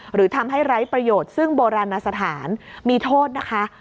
หรือทำให้ไร้ประโยชน์ซึ่งโบราณสถานมีโทษนะคะ